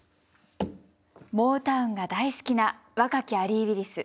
「モータウンが大好きな若きアリー・ウィリス。